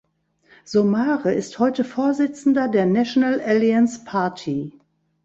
Somare ist heute Vorsitzender der National Alliance Party.